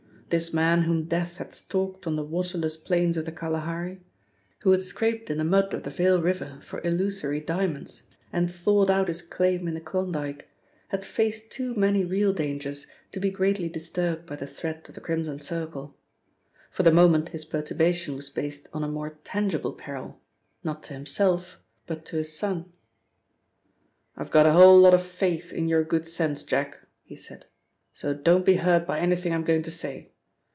This man whom Death had stalked on the waterless plains of the Kalahari, who had scraped in the mud of the Vale River for illusory diamonds, and thawed out his claim in the Klondyke, had faced too many real dangers to be greatly disturbed by the threat of the Crimson Circle. For the moment his perturbation was based on a more tangible peril, not to himself, but to his son. "I've got a whole lot of faith in your good sense, Jack," he said, "so don't be hurt by anything I'm going to say.